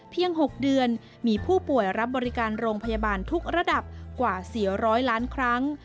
๖เดือนมีผู้ป่วยรับบริการโรงพยาบาลทุกระดับกว่า๔๐๐ล้านครั้ง